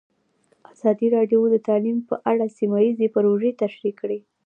ازادي راډیو د تعلیم په اړه سیمه ییزې پروژې تشریح کړې.